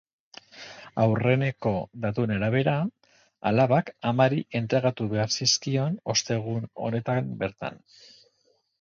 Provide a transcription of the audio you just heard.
Aurreneko datuen arabera, alabak amari entregatu behar zizkion ostegun honetan bertan.